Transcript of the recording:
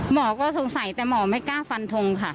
หมอก็สงสัยแต่หมอไม่กล้าฟันทงค่ะ